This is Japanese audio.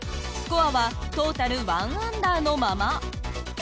スコアはトータル１アンダーのまま。